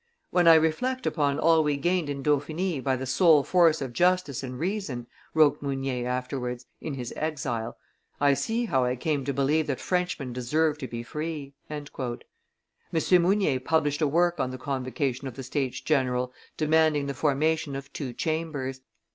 "When I reflect upon all we gained in Dauphiny by the sole force of justice and reason," wrote Mounier afterwards, in his exile, "I see how I came to believe that Frenchmen deserve to be free." M. Mounier published a work on the convocation of the States general demanding the formation of two chambers.